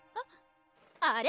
あれ！